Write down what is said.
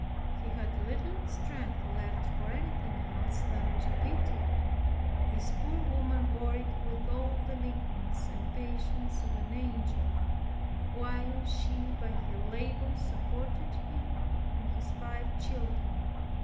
He had little strength left for anything else than to beat her. This poor woman bore it with all the meekness and patience of an angel, while she by her labor supported him and his five children.